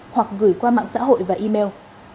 hoặc gửi qua mạng xã hội và email